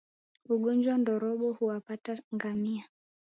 Ugonjwa ndorobo huwapata ngamia